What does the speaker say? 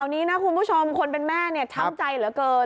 อันนี้นะคุณผู้ชมคนเป็นแม่เนี่ยช้ำใจเหลือเกิน